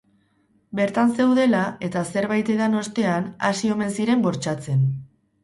Bertan zeudela, eta zerbait edan ostean, hasi omen ziren bortxatzen.